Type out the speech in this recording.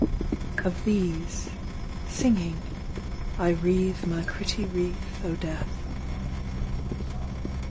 of these, Singing, I wreathe my pretty wreath O death.